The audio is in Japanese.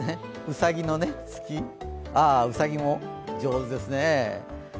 うさぎの月、ああ、うさぎも上手ですね。